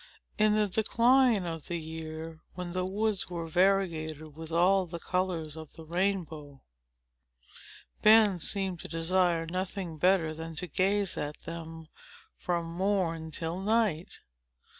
In the decline of the year, when the woods were variegated with all the colors of the rainbow, Ben seemed to desire nothing better than to gaze at them from morn till night.